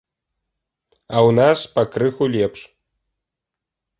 А ў нас пакрыху лепш.